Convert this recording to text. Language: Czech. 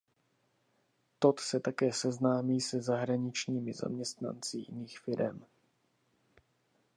Todd se také seznámí se zahraničními zaměstnanci jiných firem.